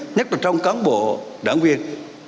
nhất là trong cán bộ đảng viên